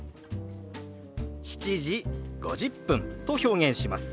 「７時５０分」と表現します。